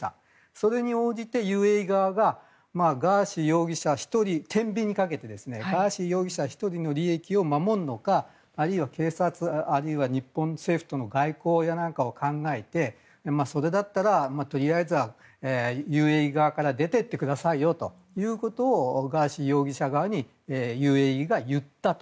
それに応じてＵＡＥ側がガーシー容疑者１人をてんびんにかけてガーシー容疑者１人の利益を守るのかあるいは警察、日本政府との外交やなんかを考えてそれだったら、とりあえずはＵＡＥ側から出ていってくださいよということをガーシー容疑者側にＵＡＥが言ったと。